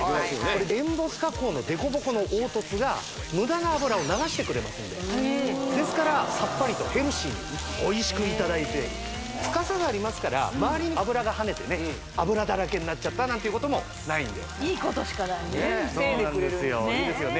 これエンボス加工のデコボコの凹凸が無駄な脂を流してくれますんでですからサッパリとヘルシーにおいしくいただいて深さがありますからまわりに油がはねてね油だらけになっちゃったなんてこともないんで・いいことしかないそうなんですよ